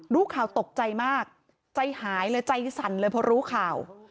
รู้ข่าวตกใจมากใจหายเลยใจสั่นเลยพอรู้ข่าว